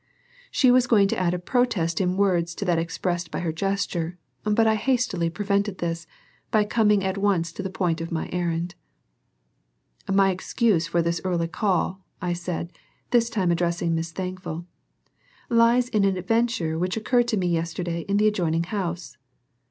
She was going to add a protest in words to that expressed by her gesture, but I hastily prevented this by coming at once to the point of my errand. "My excuse for this early call," I said, this time addressing Miss Thankful, "lies in an adventure which occurred to me yesterday in the adjoining house."